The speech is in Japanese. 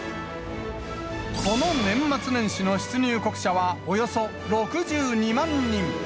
この年末年始の出入国者はおよそ６２万人。